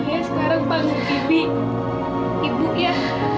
saya sekarang panggil bibi ibu ya